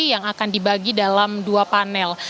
yang akan dibagi dalam dua panel